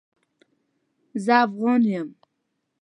زه افغان يم